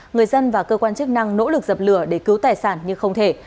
người dân và cơ quan chức năng nỗ lực dập lửa để cứu tài sản nhưng không thể